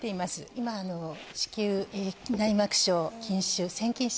今子宮内膜症筋腫腺筋症